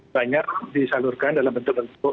banyak disalurkan dalam bentuk bentuk